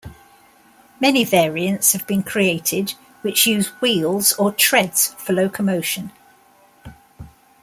Many variants have been created which use wheels or treads for locomotion.